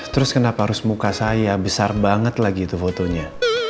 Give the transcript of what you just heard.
terus kenapa harus muka saya besar banget lagi itu fotonya